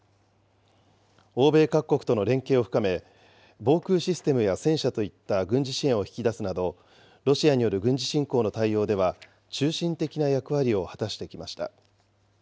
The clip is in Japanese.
欧米各国との連携を深め、防空システムや戦車といった軍事支援を引き出すなど、ロシアによる軍事侵攻の対応では、中心的な役割を果たしてきました。